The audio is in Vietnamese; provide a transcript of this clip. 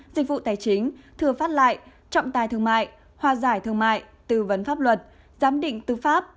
dịch vụ tài chính thừa phát lại trọng tài thương mại hòa giải thương mại tư vấn pháp luật giám định tư pháp